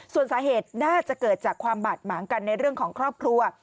ส่วนสาเหตุน่าจะเกิดจากความบาดหมางกันในเรื่องของครอบครัว